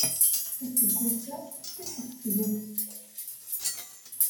Aseggas-a qessiḥet tegrest.